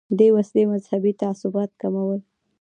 دې وسیلې مذهبي تعصبات کمول.